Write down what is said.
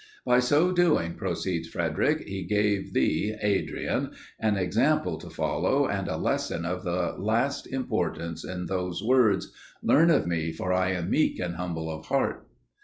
By so doing, proceeds Frederic, he gave thee (Adrian) an example to follow, and a lesson of the last importance in those words: "Learn of me, for I am meek and humble of heart."